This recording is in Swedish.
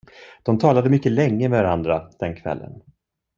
De talade mycket länge med varandra den kvällen.